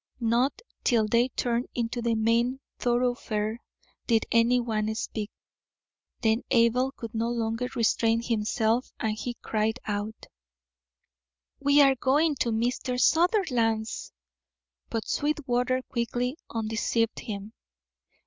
Not till they turned into the main thoroughfare did anyone speak. Then Abel could no longer restrain himself and he cried out: "We are going to Mr. Sutherland's." But Sweetwater quickly undeceived him.